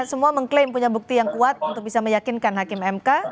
semua mengklaim punya bukti yang kuat untuk bisa meyakinkan hakim mk